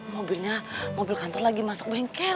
mobilnya mobil kantor lagi masuk bengkel